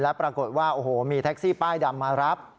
แล้วปรากฏว่าโอ้โหมีแท็กซี่ป้ายดำมารับ